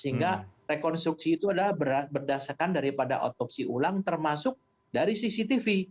sehingga rekonstruksi itu adalah berdasarkan daripada otopsi ulang termasuk dari cctv